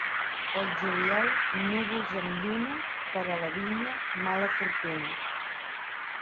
Pel juliol, núvols amb lluna, per a la vinya mala fortuna.